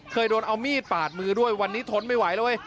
เคยโดนเอามีดปาดมือด้วยวันนี้ทนไม่ไหวแล้วเว้ย